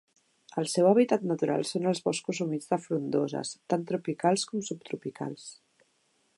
El seu hàbitat natural són els boscos humits de frondoses, tant tropicals com subtropicals.